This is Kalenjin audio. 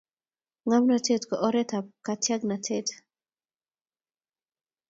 ngomnatet ko oret ap katyaknatet